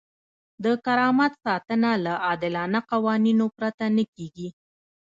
د کرامت ساتنه له عادلانه قوانینو پرته نه کیږي.